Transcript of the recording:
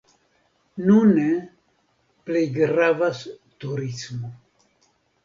Nune plej gravas turismo.